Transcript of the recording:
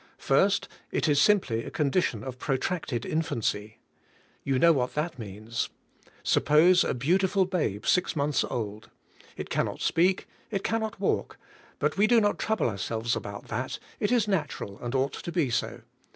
First; It is simplj^ a con dition of protracted infancy. You know what that means. Suppose a beautiful babe, six months old. It cannot speak, it cannot walk, but we do not CARNAL CHRISTIANS 9 trouble ourselves about that; it is natural, and ought to be so.